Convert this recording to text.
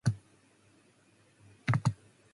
As they age, the flowers become brown and paper-like.